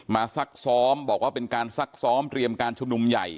ซักซ้อมบอกว่าเป็นการซักซ้อมเตรียมการชุมนุมใหญ่